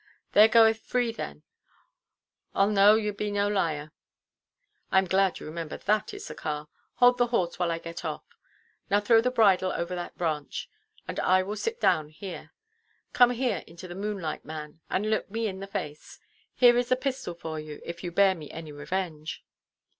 "There goeth free then. Arl knows you be no liar." "I am glad you remember that, Issachar. Hold the horse, while I get off. Now throw the bridle over that branch, and I will sit down here. Come here into the moonlight, man; and look me in the face. Here is the pistol for you, if you bear me any revenge."